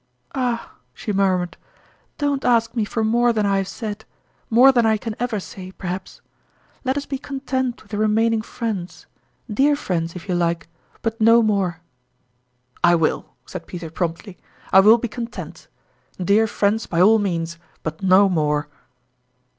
" Ah !" she murmured, " don't ask me for more than I have said more than I can ever say, perhaps ! Let us be content with remain ing friends dear friends, if you like but no more !" tourmalin's .first QHue. 43 " I will," said Peter promptly, " I will be con tent. Dear friends, by all means ; but no more